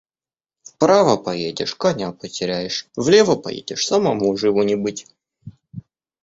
Вправо поедешь — коня потеряешь, влево поедешь — самому живу не быть.